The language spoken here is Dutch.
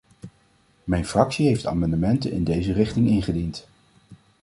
Mijn fractie heeft amendementen in deze richting ingediend.